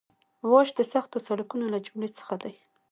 واش د سختو سړکونو له جملې څخه دی